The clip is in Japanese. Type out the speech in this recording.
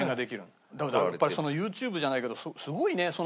だけどやっぱりそのＹｏｕＴｕｂｅじゃないけどすごいね。